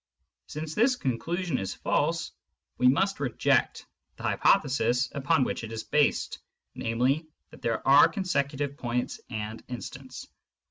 Since this conclusion is false, we must reject the hypothesis upon which it is based, namely that there are consecutive points and instants.